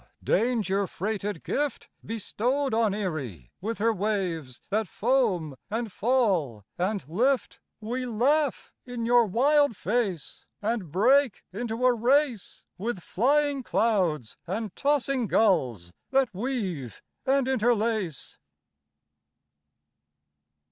danger freighted gift Bestowed on Erie with her waves that foam and fall and lift, We laugh in your wild face, And break into a race With flying clouds and tossing gulls that weave and interlace.